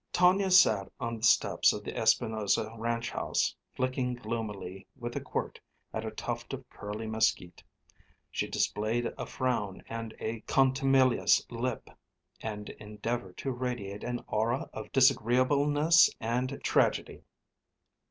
Tonia sat on the steps of the Espinosa ranch house flicking gloomily with a quirt at a tuft of curly mesquite. She displayed a frown and a contumelious lip, and endeavored to radiate an aura of disagreeableness and tragedy.